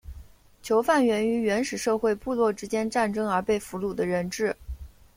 囚犯源于原始社会部落之间战争而被俘虏的人质。